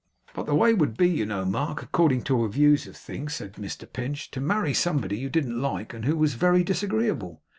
'But the way would be, you know, Mark, according to your views of things,' said Mr Pinch, 'to marry somebody you didn't like, and who was very disagreeable.